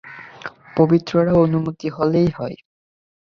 পবিত্ররা অনুমতি হলেই হয়।